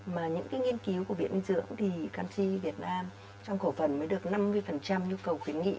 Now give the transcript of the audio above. mà những cái nghiên cứu của viện dinh dưỡng thì canxi việt nam trong cổ phần mới được năm mươi nhu cầu khuyến nghị